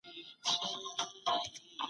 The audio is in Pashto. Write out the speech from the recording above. پښتو ژبه د پوهني ژبه ده.